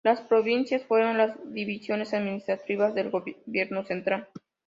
Las provincias fueron las divisiones administrativas del gobierno central.